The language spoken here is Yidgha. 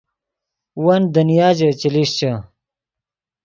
ون دنیا ژے چے لیشچے